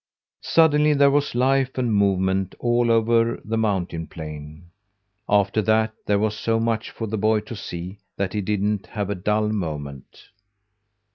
Suddenly there was life and movement all over the mountain plain; after that there was so much for the boy to see that he didn't have a dull moment.